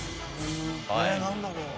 え何だろう。